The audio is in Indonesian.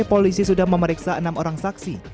polisi sudah memeriksa enam orang saksi